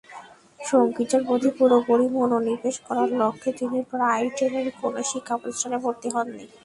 সংগীতের প্রতি পুরোপুরি মনোনিবেশ করার লক্ষ্যে তিনি ব্রাইটনের কোনো শিক্ষাপ্রতিষ্ঠানে ভর্তি হননি।